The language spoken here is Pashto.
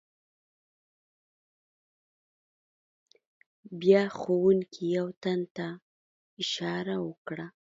بیا ښوونکي یو تن ته اشاره وکړه.